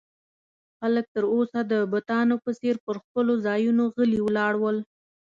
خلک تر اوسه د بتانو په څېر پر خپلو ځایو غلي ولاړ ول.